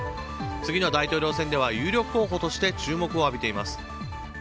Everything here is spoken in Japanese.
次の大統領選では有力候補として注目を浴びています。